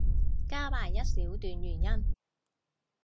加埋一小段原因